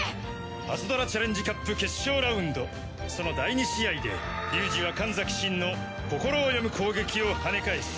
パズドラチャレンジカップ決勝ラウンドその第２試合で龍二は神崎シンの心を読む攻撃を跳ね返す。